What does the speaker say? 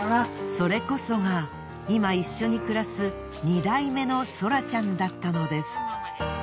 それこそが今一緒に暮らす２代目のソラちゃんだったのです。